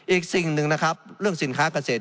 อีกสิ่งหนึ่งนะครับเรื่องสินค้าเกษตร